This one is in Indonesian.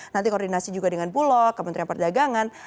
nanti koordinasi juga dengan bulog kementerian perdagangan